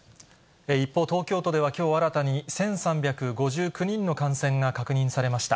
一方、東京都ではきょう新たに１３５９人の感染が確認されました。